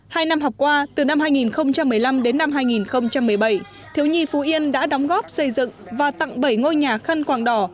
hai năm học qua từ năm hai nghìn một mươi năm đến năm hai nghìn một mươi bảy thiếu nhi phú yên đã đóng góp xây dựng và tặng bảy ngôi nhà khăn quảng đỏ